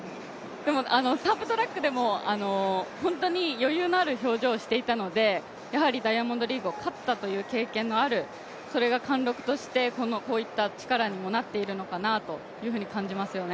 でもサブトラックでも本当に余裕のある表情をしていたのでやはりダイヤモンドリーグを勝ったという経験のあるそれが貫禄としてこういった力にもなっているのかなというふうにも感じますよね。